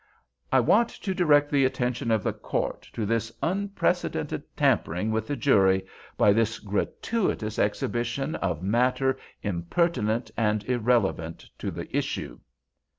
"I want to direct the attention of the Court to this unprecedented tampering with the jury, by this gratuitous exhibition of matter impertinent and irrelevant to the issue."